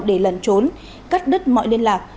để lẩn trốn cắt đứt mọi liên lạc